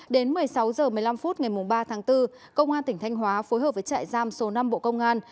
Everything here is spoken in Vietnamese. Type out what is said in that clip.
đến một mươi sáu h một mươi năm phút ngày ba tháng bốn công an tỉnh thanh hóa phối hợp với trại giam số năm bộ công an